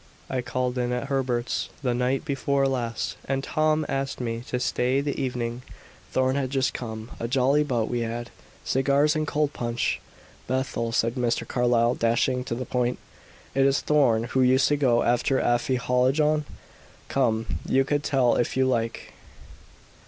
I called in at Herbert's the night before last, and Tom asked me to stay the evening. Thorn had just come. A jolly bout we had; cigars and cold punch." "Bethel," said Mr. Carlyle, dashing to the point, "is it the Thorn who used to go after Afy Hallijohn? Come, you can tell if you like."